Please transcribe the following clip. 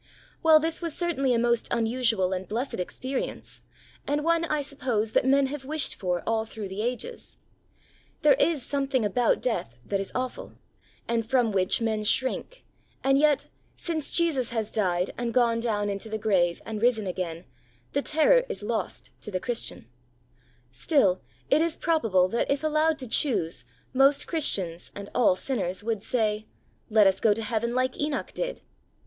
Well, this was certainly a most unusual and blessed experience, and one I suppose that men have wished for all through the ages. There is some thing about death that is awful, and from which men shrink, and yet, since Jesus has died and gone down into the grave and risen again, the terror is lost, to the Christian ; still, it is probable that if allowed to choose, most Christians and all sinners would say, " Let us go to heaven like Enoch did."